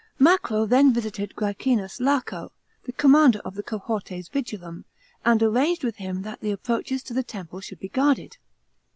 Macro then visited Grsecinus Laco, the commander of the cohortes vigilum, and arranged with him that the approaches to the temple should be guarded.